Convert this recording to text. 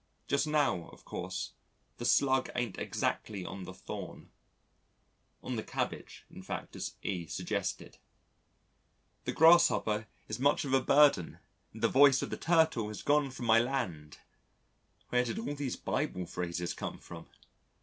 Just now, of course, the Slug ain't exactly on the thorn on the cabbage in fact as E suggested. The Grasshopper is much of a burden and the voice of the Turtle has gone from my land (where did all these Bible phrases come from?).